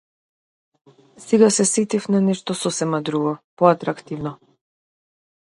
Сега се сетив за нешто сосема друго, поатрактивно.